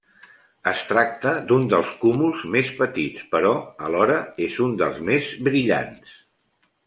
Es tracta d'un dels cúmuls més petits, però alhora és un dels més brillants.